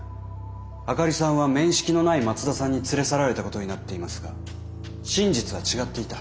灯里さんは面識のない松田さんに連れ去られたことになっていますが真実は違っていた。